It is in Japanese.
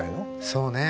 そうね。